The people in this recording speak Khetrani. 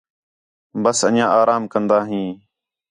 ٻس انڄیاں آرام کندا ہیں